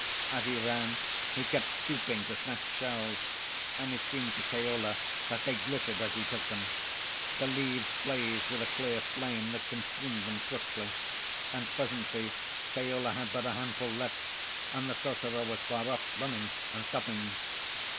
As he ran, he kept stooping to snatch shells; and it seemed to Keola that they glittered as he took them. The leaves blazed with a clear flame that consumed them swiftly; and presently Keola had but a handful left, and the sorcerer was far off, running and stopping.